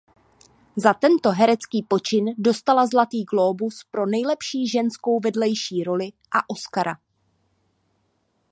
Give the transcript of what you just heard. Za tento herecký počin dostala Zlatý glóbus pro nejlepší ženskou vedlejší roli a Oskara.